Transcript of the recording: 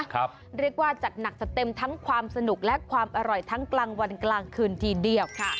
เรียกว่าจัดหนักจัดเต็มทั้งความสนุกและความอร่อยทั้งกลางวันกลางคืนทีเดียวค่ะ